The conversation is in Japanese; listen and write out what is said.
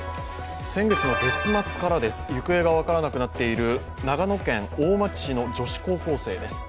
先月の月末から行方が分からなくなっている長野県大町市の女子高校生です。